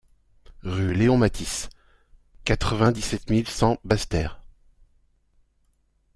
Rue Léon Mathis, quatre-vingt-dix-sept mille cent Basse-Terre